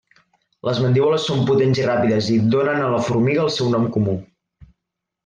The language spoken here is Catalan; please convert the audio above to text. Les mandíbules són potents i ràpides, i donen a la formiga el seu nom comú.